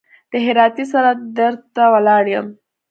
د هراتۍ سره در ته ولاړ يم.